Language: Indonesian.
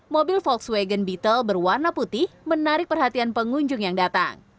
mobil volkswagen beetle berwarna putih menarik perhatian pengunjung yang datang